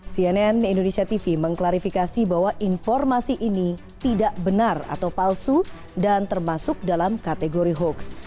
cnn indonesia tv mengklarifikasi bahwa informasi ini tidak benar atau palsu dan termasuk dalam kategori hoax